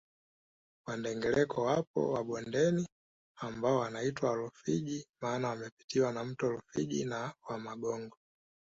Wandengereko wapo wa bondeni ambao wanaitwa Warufiji maana wamepitiwa na mto Rufiji na Wamagongo